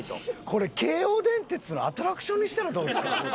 これ京王電鉄のアトラクションにしたらどうですか？